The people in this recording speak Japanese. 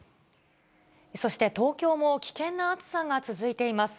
そして、東京も危険な暑さが続いています。